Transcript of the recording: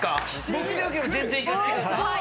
僕でよければ全然行かせてください。